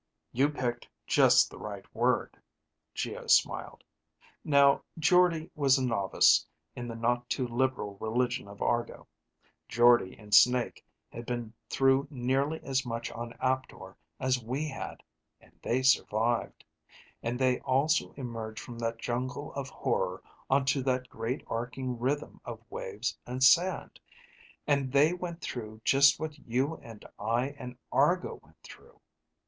"You picked just the right word," Geo smiled. "Now, Jordde was a novice in the not too liberal religion of Argo. Jordde and Snake had been through nearly as much on Aptor as we had. And they survived. And they also emerged from that jungle of horror onto that great arcing rhythm of waves and sand. And they went through just what you and I and Argo went through.